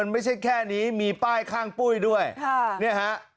ไม่ใช่แค่นี้มีป้ายข้างปุ้ยด้วยค่ะเนี่ยฮะ